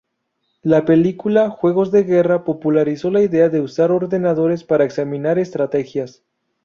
La película "Juegos de guerra" popularizó la idea de usar ordenadores para examinar estrategias.